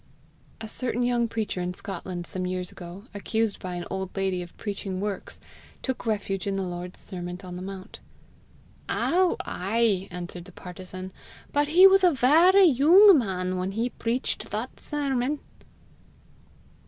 A certain young preacher in Scotland some years ago, accused by an old lady of preaching works, took refuge in the Lord's sermon on the mount: "Ow ay!" answered the partisan, "but he was a varra yoong mon whan he preacht that sermon!"